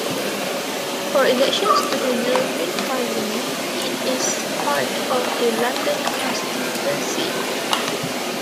For elections to the European Parliament it is part of the London constituency.